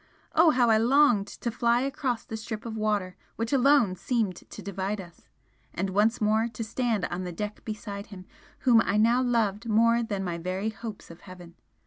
Oh, how I longed to fly across the strip of water which alone seemed to divide us! and once more to stand on the deck beside him whom I now loved more than my very hopes of heaven!